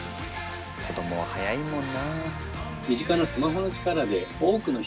子どもは早いもんな。